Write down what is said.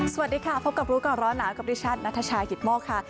สวัสดีค่ะพบกับรู้ก่อนร้อนหนาวกับดิฉันนัทชายกิตโมกค่ะ